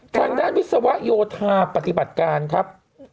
ทางด้านวิศวโยธาปฏิบัติการครับ